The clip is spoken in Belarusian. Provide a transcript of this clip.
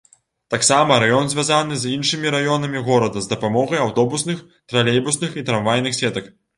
Таксама раён звязаны з іншымі раёнамі горада з дапамогай аўтобусных, тралейбусных і трамвайных сетак.